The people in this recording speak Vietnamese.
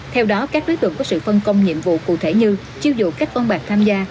theo đó các đối tượng có sự phân công nhiệm vụ cụ thể như chiêu dụ các văn bản tham gia